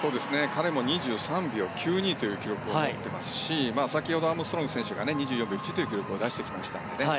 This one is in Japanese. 彼も２３秒９２という記録を持っていますし先ほど、アームストロング選手が２４秒１という記録を出してきましたので。